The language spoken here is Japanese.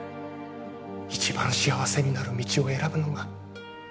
一番幸せになる道を選ぶのが